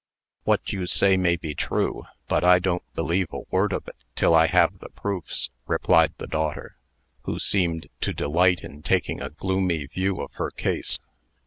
"What you say may be true, but I don't believe a word of it, till I have the proofs," replied the daughter, who seemed to delight in taking a gloomy view of her case.